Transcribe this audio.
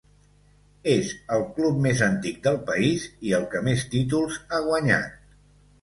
És el club més antic del país i el que més títols ha guanyat.